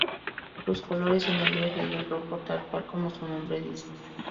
Sus colores son el verde y el rojo, tal cual como su nombre dice.